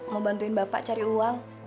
mau bantuin bapak cari uang